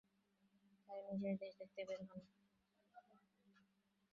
তাই নিজেই দেশ দেখতে বের হন।